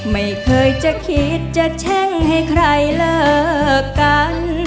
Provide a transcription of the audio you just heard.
ไม่เคยจะคิดจะแช่งให้ใครเลิกกัน